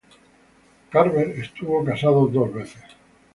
Carver estuvo casado dos veces.